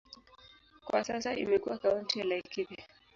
Kwa sasa imekuwa kaunti ya Laikipia.